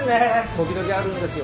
時々あるんですよ